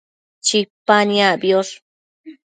Chipa niacbiosh